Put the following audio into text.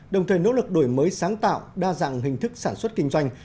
đồng thời nỗ lực đổi mới sáng tạo đa dạng hình thức sản xuất kinh doanh